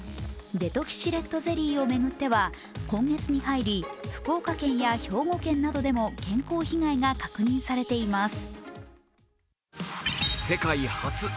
Ｄｅｔｏｘｅｒｅｔゼリーを巡っては今月に入り福岡県や兵庫県などでも健康被害が確認されています。